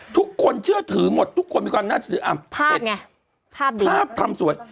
ทุกคนเชื่อถือหมดทุกคนมีการน่าจะภาพไงภาพดีภาพทำสวย